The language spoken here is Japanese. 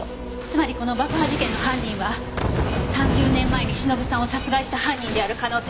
つまりこの爆破事件の犯人は３０年前に忍さんを殺害した犯人である可能性が高い。